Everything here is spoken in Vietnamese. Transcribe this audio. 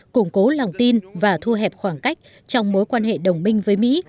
củng cố lòng tin và thu hẹp khoảng cách trong mối quan hệ đồng minh với mỹ